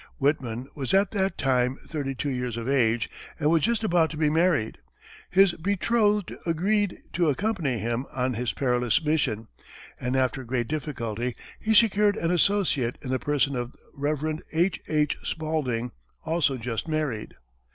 Whitman was at that time thirty two years of age and was just about to be married. His betrothed agreed to accompany him on his perilous mission, and, after great difficulty, he secured an associate in the person of Rev. H.H. Spalding, also just married.